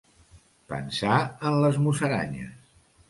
Pensar en les musaranyes.